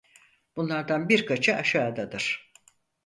Bunlardan birkaçı aşağıdadır: